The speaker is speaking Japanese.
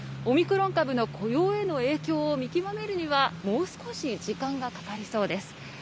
オミクロン株の雇用への影響を見極めるにはもう少し時間がかかりそうです。